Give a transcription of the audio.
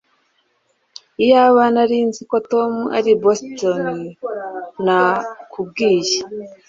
Iyaba nari nzi ko Tom ari i Boston nakubwiye